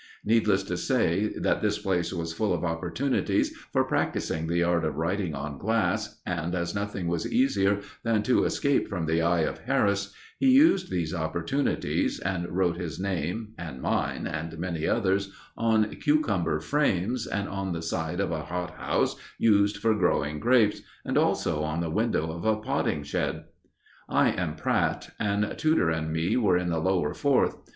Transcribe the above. Needless to say, that this place was full of opportunities for practising the art of writing on glass, and, as nothing was easier than to escape from the eye of Harris, he used these opportunities, and wrote his name and mine and many others on cucumber frames, and on the side of a hot house used for growing grapes, and also on the window of a potting shed. I am Pratt, and Tudor and me were in the Lower Fourth.